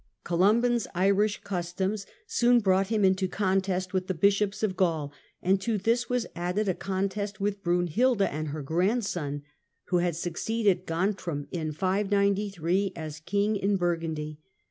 Columban's Irish customs soon brought him into contest with the Bishops of Gaul, and to this was added a contest with Brunhilda and her grandson, who had succeeded Gontram in 593 as king in Burgundy.